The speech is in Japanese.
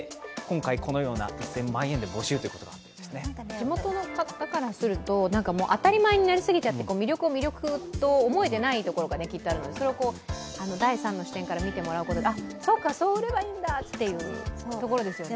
地元の方からすると当たり前になりすぎちゃって魅力を魅力と思えてないところがきっとあるのでそれを第三の視点からみてもらうことで、そうか、それがいいんだというところですよね。